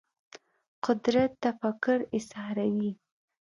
قدرت تفکر ایساروي